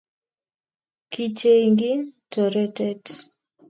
Kichengin toretet